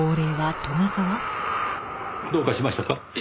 どうかしましたか？